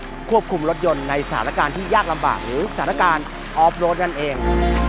เพื่อควบคุมรถยนต์ในสถานการณ์ที่ยากลำบากหรือสถานการณ์ออฟโรดนั่นเอง